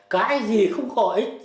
cái gì không có ích